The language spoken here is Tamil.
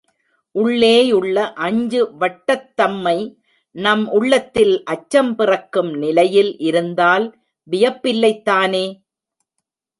உள்ளேயுள்ள அஞ்சு வட்டத்தம்மை நம் உள்ளத்தில் அச்சம் பிறக்கும் நிலையில் இருந்தால் வியப்பில்லைதானே.